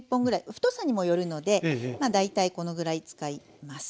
太さにもよるので大体このぐらい使います。